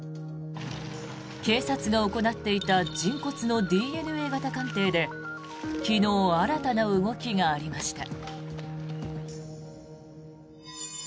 警察が行っていた人骨のＤＮＡ型鑑定で昨日、新たな動きがありました。